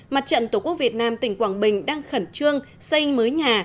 mặt trận tổ quốc việt nam tỉnh quảng bình đang khẩn trương xây mới nhà